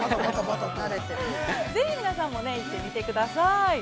◆ぜひ皆さんも行ってみてください。